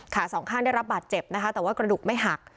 สองข้างได้รับบาดเจ็บนะคะแต่ว่ากระดูกไม่หัก